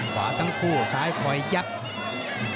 ขวาทั้งคู่ซ้ายคอยยับ